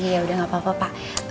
ya udah gapapa pak